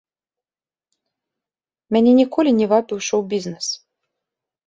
Мяне ніколі не вабіў шоў-бізнэс.